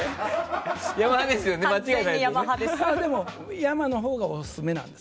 山のほうがオススメなんです。